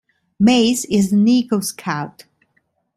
Mays is an Eagle Scout.